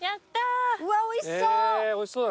うわおいしそう。